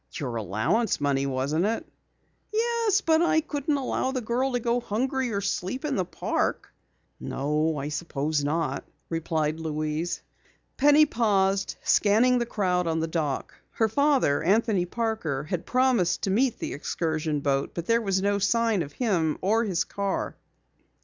"Your allowance money, wasn't it?" "Yes, but I couldn't allow the girl to go hungry or sleep in the park." "No, I suppose not," replied Louise. Penny paused, scanning the crowd on the dock. Her father, Anthony Parker, had promised to meet the excursion boat, but there was no sign of him or his car.